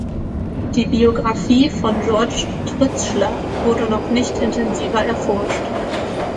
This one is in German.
Die Biografie von George Trützschler wurde noch nicht intensiver erforscht.